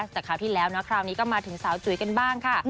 แต่คราวที่แล้วนะคราวนี้ก็มาถึงสาวจุ๋ยกันบ้างค่ะ